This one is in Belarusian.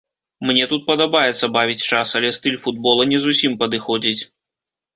Мне тут падабаецца бавіць час, але стыль футбола не зусім падыходзіць.